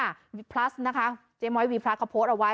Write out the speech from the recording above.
วีพลัสนะคะเจ๊ม้อยวีพลัสเขาโพสต์เอาไว้